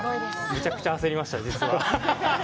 めちゃくちゃ焦りました、実は。